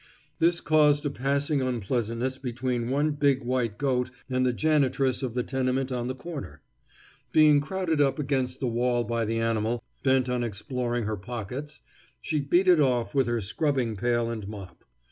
This caused a passing unpleasantness between one big white goat and the janitress of the tenement on the corner. Being crowded up against the wall by the animal, bent on exploring her pockets, she beat it off with her scrubbing pail and mop.